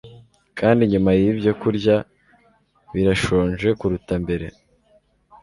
Kandi nyuma yibyo kurya birashonje kuruta mbere